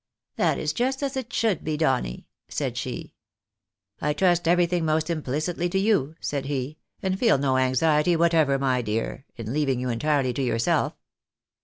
" That is just as it should be, Donny," said she. , "I trust everything most imphcitly to you," said he, " and feel no anxiety whatever, my dear, in leaving you entirely to your self."